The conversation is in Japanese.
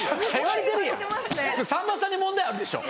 さんまさんに問題あるでしょ。